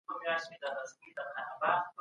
حکومت د ګډو ترانزیتي لارو د بندولو هڅه نه کوي.